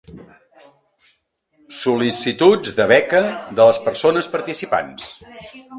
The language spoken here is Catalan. Sol·licituds de beca de les persones participants.